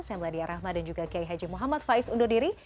saya meladia rahma dan juga kiai haji muhammad faiz undur diri